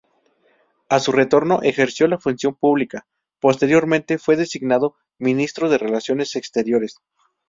A su retorno ejerció la función pública, posteriormente fue designado Ministro de Relaciones Exteriores.